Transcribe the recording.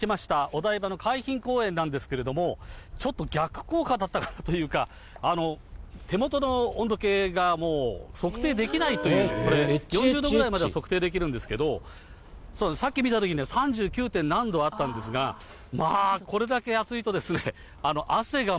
お台場の海浜公園なんですけれども、ちょっと逆効果だったかなというか、手元の温度計が、もう測定できないという、これ、４０度ぐらいまでは測定できるんですけど、さっき見たとき、３９．何度あったんですが、まあ、これだけ暑いと汗が